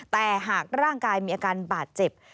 แต่หากร่างกายมีอาการบาดเจ็บ